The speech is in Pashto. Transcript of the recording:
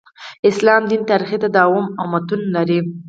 اسلام دین تاریخي تداوم او متون لري.